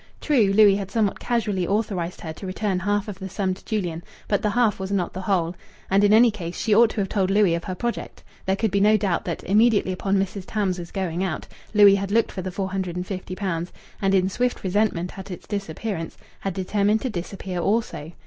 True, Louis had somewhat casually authorized her to return half of the sum to Julian, but the half was not the whole. And in any case she ought to have told Louis of her project. There could be no doubt that, immediately upon Mrs. Tams's going out, Louis had looked for the four hundred and fifty pounds, and, in swift resentment at its disappearance, had determined to disappear also.